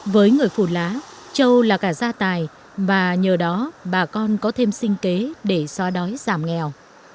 với người phù lá châu là cả gia tài và nhờ đó bà con có thêm sinh kế để xóa đói giảm nghèo